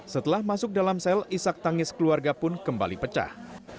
setelah masuk dalam sel isak tangis keluarga pun kembali pecah